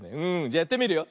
じゃやってみるよ。